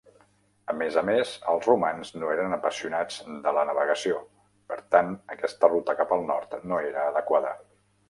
A més a més, els romans no eren apassionats de la navegació, per tant aquesta ruta cap al nord no era adequada.